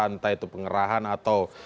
entah itu pengerahan atau